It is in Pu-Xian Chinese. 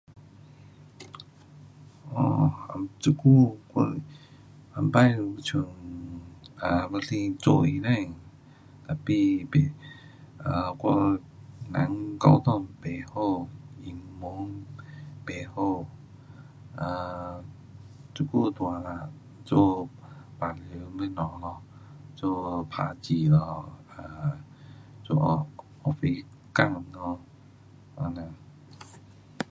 um 这久我以前好像有想 um 我想做医生。tapi 不 um 我人功课不好，英文不好，um 这久大了做平常东西咯。做打字咯。um 做噢 office 工咯。这样。